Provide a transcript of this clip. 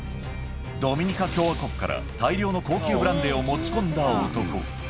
ドミニカ共和国から大量の高級ブランデーを持ち込んだ男。